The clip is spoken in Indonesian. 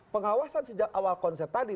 pengawasan sejak awal konsep tadi